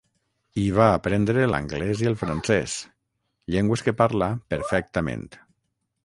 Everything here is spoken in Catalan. Hi va aprendre l'anglès i el francès, llengües que parla perfectament.